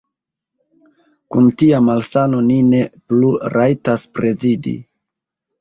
Kun tia malsano li ne plu rajtas prezidi!